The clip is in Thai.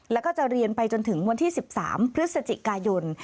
แล้วก็จะเรียนไปจนถึงวันที่๑๓พฤศจิกายน